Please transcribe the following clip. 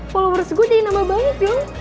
followers gue jadiin nambah banget dong